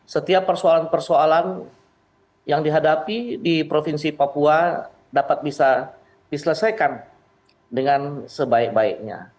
setiap persoalan persoalan yang dihadapi di provinsi papua dapat bisa diselesaikan dengan sebaik baiknya